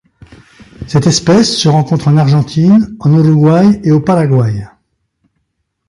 Cette espèce se rencontre en Argentine, en Uruguay et au Paraguay.